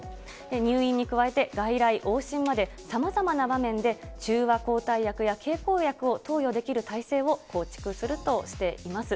入院に加えて外来、往診までさまざまな場面で、中和抗体薬や経口薬を投与できる体制を構築するとしています。